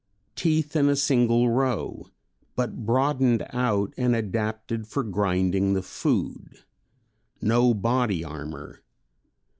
Teeth in a single row, but broadened out and adapted for grinding the food. No body armor.